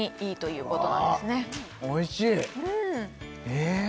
え！？